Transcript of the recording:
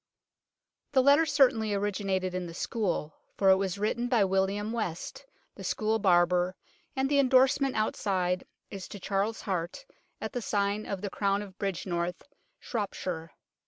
The letter certainly originated in the School, for it was written by William West, the school barber, and the endorsement outside is to Charles Hart, at the sign of The Crown at Bridgnorth, Shropshire.